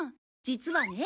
実はね。